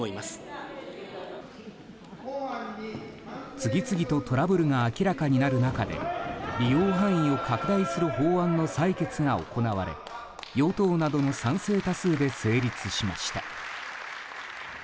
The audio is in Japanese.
次々とトラブルが明らかになる中で利用範囲を拡大する法案の採決が行われ与党などの賛成多数で成立しました。